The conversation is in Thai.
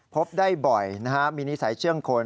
พบได้บ่อยมีนิสัยเชื่องคน